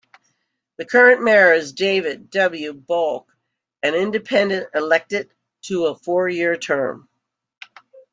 The current mayor is David W. Boelk, an independent elected to a four-year term.